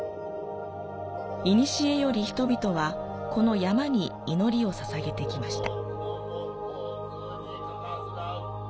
いにしえより人々はこの山に祈りを捧げてきました。